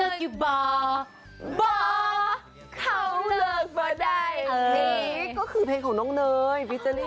ก็คือเพลงของน้องเนย